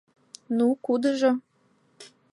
Ну, кудыжо?..